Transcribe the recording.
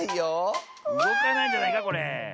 うごかないんじゃないかこれ？